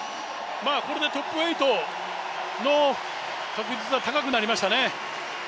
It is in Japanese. これでトップ８の確率は高くなりましたね。